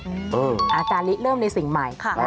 การเริ่มในสิ่งใหม่